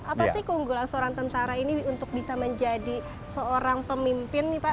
apa sih keunggulan seorang tentara ini untuk bisa menjadi seorang pemimpin nih pak